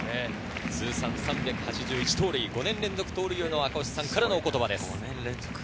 通算３８１盗塁、５年連続盗塁王の赤星さんからのお言葉です。